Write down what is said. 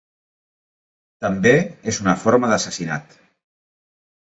També és una forma d'assassinat.